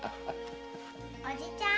・おじちゃん。